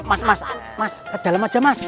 mas mas ke dalam aja mas